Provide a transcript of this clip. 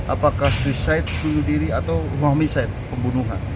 apakah kematian bunuh diri atau kematian